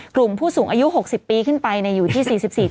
กลุ่มผู้สูงอายุ๖๐ปีขึ้นไปอยู่ที่๔๔